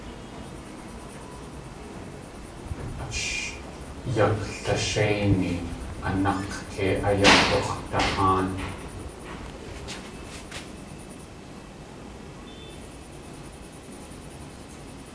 Ash yaklashéini a nák̲ kei ayagux̲daháan.